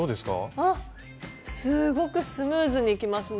あっすごくスムーズにいきますね。